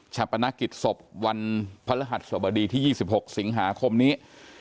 ปนกิจศพวันพระรหัสสบดีที่๒๖สิงหาคมนี้